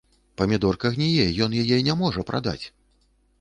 Памідорка гніе, ён яе не можа прадаць!